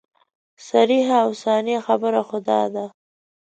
صریحه او ثابته خبره خو دا ده.